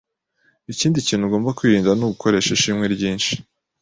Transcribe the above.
Ikindi kintu ugomba kwirinda ni ugukoresha ishimwe ryinshi.